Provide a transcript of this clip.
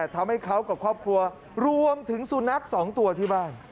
ทำให้เขากับครอบครัวรวมถึงสุนัขสองตัวที่บ้าน